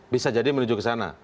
bisa jadi menuju ke sana